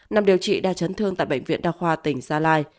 nằm điều trị đa chấn thương tại bệnh viện đa khoa tỉnh gia lai